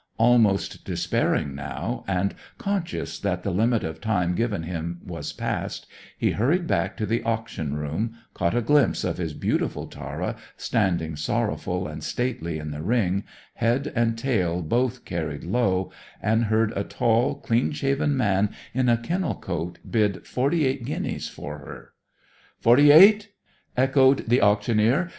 Almost despairing now, and conscious that the limit of time given him was passed, he hurried back to the auction room, caught a glimpse of his beautiful Tara standing sorrowful and stately in the ring, head and tail both carried low, and heard a tall, clean shaven man in a kennel coat bid forty eight guineas for her. "Forty eight!" echoed the auctioneer.